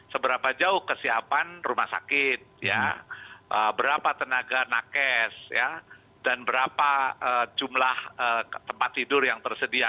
seberapa jauh kesiapan rumah sakit berapa tenaga nakes dan berapa jumlah tempat tidur yang tersedia